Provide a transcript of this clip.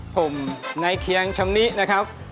ผมนายเคียงชำนินะครับ